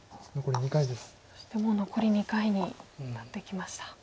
そしてもう残り２回になってきました。